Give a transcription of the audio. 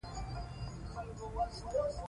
د کورنۍ دندې په توګه څو کرښې باید ولیکي.